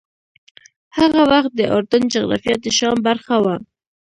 هغه وخت د اردن جغرافیه د شام برخه وه.